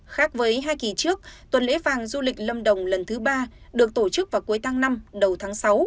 khác với hai kỳ trước tuần lễ vàng du lịch lâm đồng lần thứ ba được tổ chức vào cuối tháng năm đầu tháng sáu